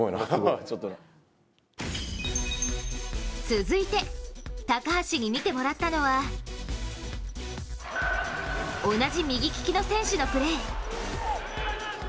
続いて、高橋に見てもらったのは同じ右利きの選手のプレー。